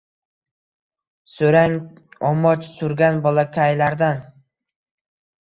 So’rang, Omoch surgan bolakaylardan